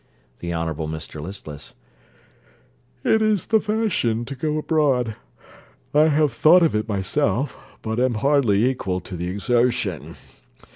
THE HONOURABLE MR LISTLESS It is the fashion to go abroad. I have thought of it myself, but am hardly equal to the exertion.